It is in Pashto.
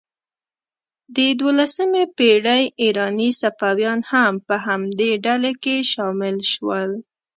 د دوولسمې پېړۍ ایراني صوفیان هم په همدې ډلې کې شامل شول.